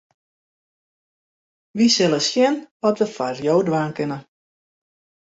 Wy sille sjen wat we foar jo dwaan kinne.